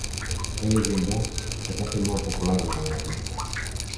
La llegenda es va fer molt popular durant l'edat mitjana.